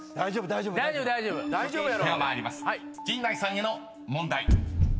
［陣内さんへの問題］